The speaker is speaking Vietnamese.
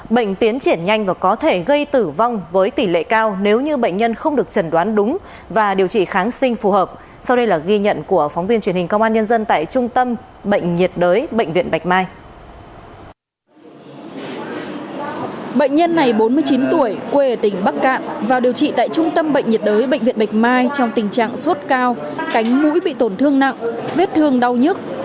bệnh nhân này bốn mươi chín tuổi quê tỉnh bắc cạn vào điều trị tại trung tâm bệnh nhiệt đới bệnh viện bạch mai trong tình trạng suốt cao cánh mũi bị tổn thương nặng vết thương đau nhất